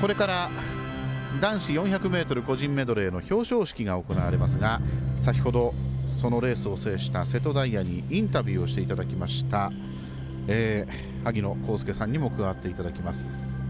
これから男子４００ｍ個人メドレーの表彰式が行われますが先ほどそのレースを制した瀬戸大也にインタビューをしていただきました萩野公介さんにも加わっていただきます。